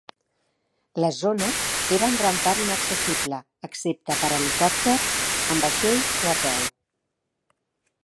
La zona era en gran part inaccessible excepte per helicòpter, en vaixell o a peu.